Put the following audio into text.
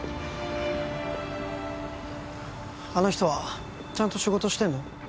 あの人はちゃんと仕事してんの？